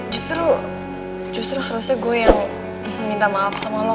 justru justru harusnya gue yang minta maaf sama lo